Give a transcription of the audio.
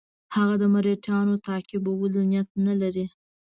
هغه د مرهټیانو تعقیبولو نیت نه لري.